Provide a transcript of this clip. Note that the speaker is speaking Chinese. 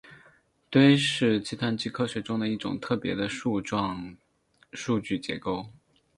堆是计算机科学中的一种特别的树状数据结构。